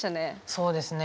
そうですね